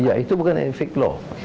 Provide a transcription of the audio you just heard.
ya itu bukan yang fake law